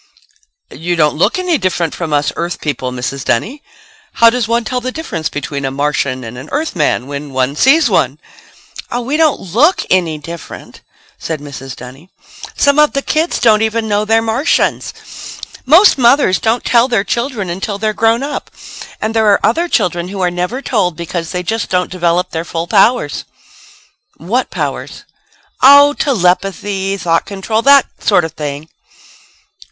"You don't look any different from us Earth people, Mrs. Dunny. How does one tell the difference between a Martian and an Earthman when one sees one?" "Oh, we don't look any different," said Mrs. Dunny. "Some of the kids don't even know they're Martians. Most mothers don't tell their children until they're grown up. And there are other children who are never told because they just don't develop their full powers." "What powers?" "Oh, telepathy, thought control that sort of thing."